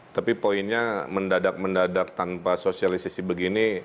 tapi poinnya mendadak mendadak tanpa sosialisasi begini